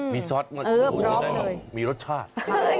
มีซอสมีรสชาติ